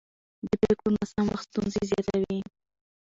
د پرېکړو ناسم وخت ستونزې زیاتوي